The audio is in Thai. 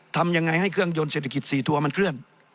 ทำยังไงให้เครื่องยนต์เศรษฐกิจ๔ตัวมันเคลื่อน